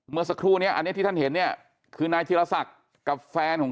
เมื่อสักครู่เนี้ยอันนี้ที่ท่านเห็นเนี่ยคือนายธิรศักดิ์กับแฟนของ